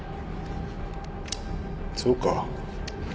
そうか。